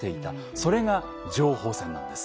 それが情報戦なんです。